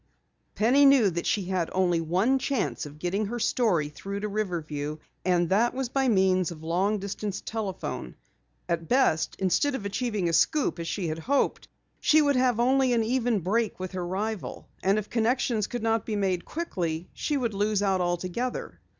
_ Penny knew that she had only one chance of getting her story through to Riverview, and that was by means of long distance telephone. At best, instead of achieving a scoop as she had hoped, she would have only an even break with her rival. And if connections could not be quickly made, she would lose out altogether.